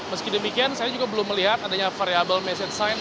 meski demikian saya juga belum melihat adanya variable message sign